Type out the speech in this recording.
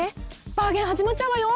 バーゲンはじまっちゃうわよ。